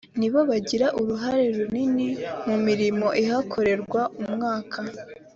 ni bo bagira uruhare runini mu mirimo ihakorerwa umwuka